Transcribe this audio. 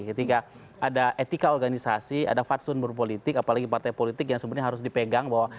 ketika ada etika organisasi ada fatsun berpolitik apalagi partai politik yang sebenarnya harus dipegang bahwa